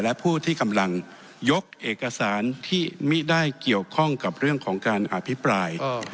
และผู้ที่กำลังยกเอกสารที่ไม่ได้เกี่ยวข้องกับเรื่องของการอภิปราย